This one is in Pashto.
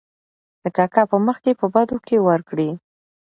د کاکا په مخکې په بدو کې ور کړې .